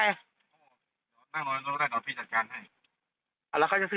นั่งนอนก็ได้เดี๋ยวพี่จัดการให้